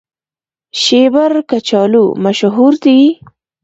شیبر کچالو مشهور دي؟